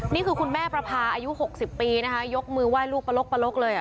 นี่คือคุณแม่ประพาอายุ๖๐ปีนะคะยกมือไห้ลูกปลกเลย